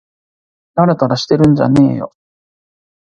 たらたらしてんじゃねぇよ